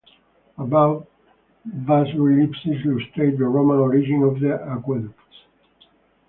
Above, bas reliefs illustrate the Roman origin of the aqueducts.